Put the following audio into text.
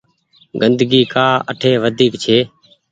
گندگي ڪآ اٺي وڍيڪ ڇي۔